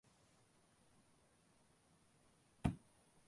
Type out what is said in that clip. இந்தச் சூழ்நிலையில் நாம் எப்படி இயங்கி வருகிறோம் என்று சிந்திப்பது தேவையாகிறது.